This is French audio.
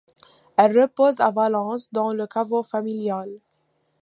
Elle repose à Valence, dans le caveau familial.